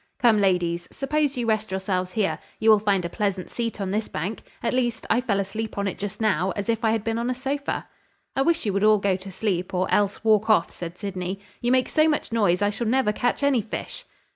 Come, ladies, suppose you rest yourselves here; you will find a pleasant seat on this bank: at least, I fell asleep on it just now, as if I had been on a sofa." "I wish you would all go to sleep, or else walk off," said Sydney. "You make so much noise I shall never catch any fish."